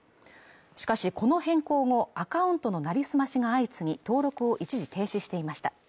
しかしこの変更後アカウントのなりすましが相次ぎ登録を一時停止していました